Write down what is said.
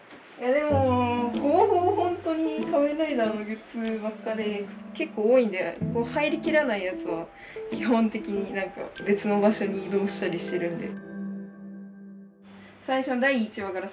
でもほぼほぼ本当に「仮面ライダー」のグッズばっかで結構多いんで入りきらないやつは基本的に何か別の場所に移動したりしてるんで。